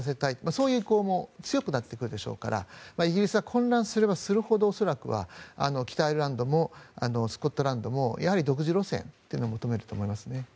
そういう意向も強くなってくるでしょうからイギリスは混乱すればするほど恐らくは北アイルランドもスコットランドも独自路線というのを求めると思いますね。